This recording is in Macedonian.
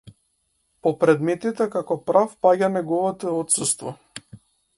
По предметите, како прав, паѓа неговото отсуство.